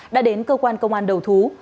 đã đến cơ quan công an đầu thú